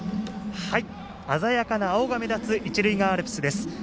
鮮やかな青が目立つ一塁側アルプスです。